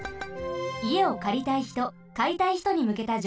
いえをかりたいひとかいたいひとにむけたじょうほうです。